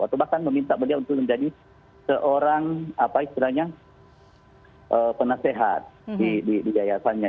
atau bahkan meminta beliau untuk menjadi seorang apa istilahnya penasehat di yayasannya